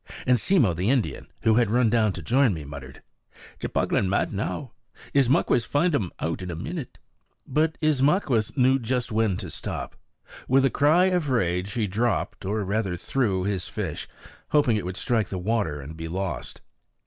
And Simmo the Indian, who had run down to join me, muttered: "Cheplahgan mad now. Ismaquehs find um out in a minute." But Ismaquehs knew just when to stop. With a cry of rage he dropped, or rather threw, his fish, hoping it would strike the water and be lost.